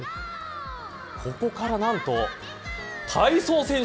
ここから何と体操選手